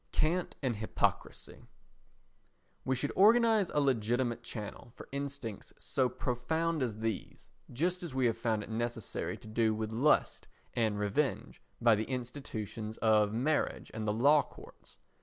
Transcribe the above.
Cant and Hypocrisy We should organise a legitimate channel for instincts so profound as these, just as we have found it necessary to do with lust and revenge by the institutions of marriage and the law courts.